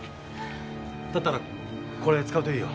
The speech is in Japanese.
だったらこれ使うといいよ。